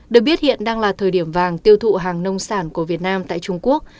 được biết hiện đang là thời điểm vàng tiêu thụ hàng nông sản của việt nam tại trung quốc